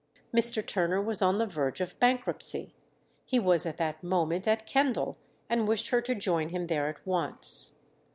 Mr. Turner was on the verge of bankruptcy. He was at that moment at Kendal, and wished her to join him there at once.